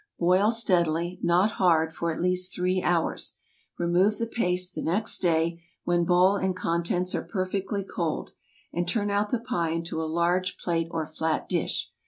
Boil steadily—not hard—for at least three hours. Remove the paste the next day, when bowl and contents are perfectly cold, and turn out the pie into a large plate or flat dish.